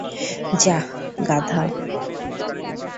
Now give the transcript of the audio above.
যা, গাধা।